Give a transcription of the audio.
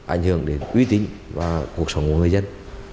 ảnh hưởng đến uy tín và cuộc sống của người dân